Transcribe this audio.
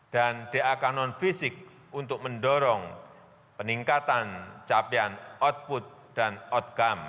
dan dak non fisik untuk mendorong peningkatan capaian output dan outcome